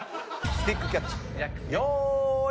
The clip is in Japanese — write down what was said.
スティックキャッチよーい。